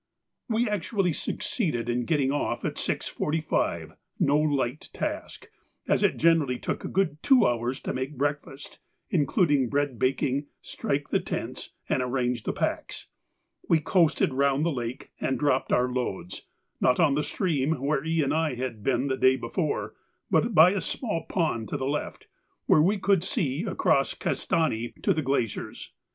_—We actually succeeded in getting off at 6.45, no light task, as it generally took a good two hours to make breakfast, including bread baking, strike the tents, and arrange the packs. We coasted round the lake and dropped our loads, not on the stream where E. and I had been the day before, but by a small pond to the left, where we could see across Castani to the glaciers.